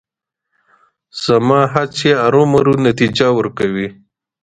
زما هڅې ارومرو نتیجه ورکوي.